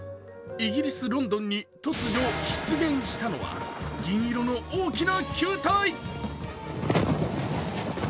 イギリス・ロンドンに突如出現したのは銀色の大きな球体。